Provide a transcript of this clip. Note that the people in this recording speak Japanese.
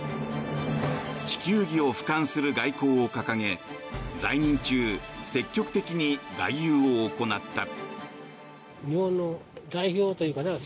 地球儀を俯瞰する外交を掲げ在任中、積極的に外遊を行った。